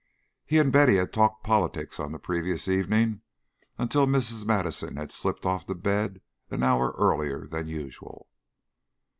He and Betty had talked politics on the previous evening until Mrs. Madison had slipped off to bed an hour earlier than usual.